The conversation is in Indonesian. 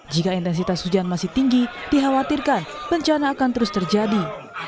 jika intensitas hujan masih tinggi dikhawatirkan bencana akan terus terjadi